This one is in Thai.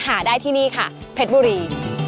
หาได้ที่นี่ค่ะเพชรบุรี